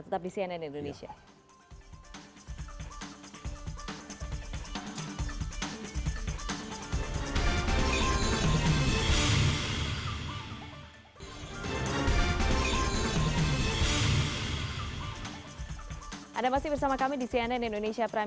tetap di cnn indonesia